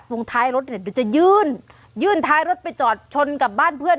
ตรงท้ายรถเดี๋ยวจะยื่นยื่นท้ายรถไปจอดชนกับบ้านเพื่อน